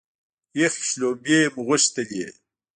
یخې شلومبې مو غوښتلې.